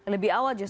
lebih awal justru